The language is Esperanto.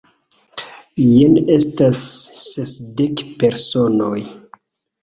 Jen estas sesdek personoj!